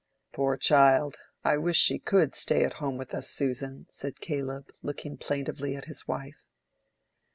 "Poor child! I wish she could stay at home with us, Susan," said Caleb, looking plaintively at his wife.